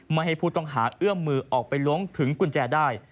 ไม่ให้ผู้ต้องหาเอื้อมมือออกไปล้วงถึงกุญแจได้